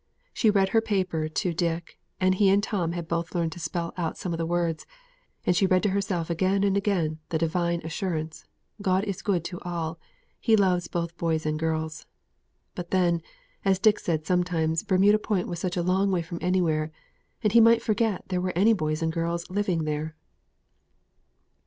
She read her paper to Dick, and he and Tom had both learned to spell out some of the words, and she read to herself again and again the Divine assurance, "God is good to all: He loves both boys and girls;" but then, as Dick said sometimes, Bermuda Point was such a long way from anywhere, and He might forget there were any boys and girls living there.